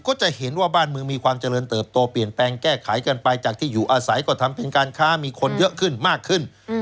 ก็จะเห็นว่าบ้านเมืองมีความเจริญเติบโตเปลี่ยนแปลงแก้ไขกันไปจากที่อยู่อาศัยก็ทำเป็นการค้ามีคนเยอะขึ้นมากขึ้น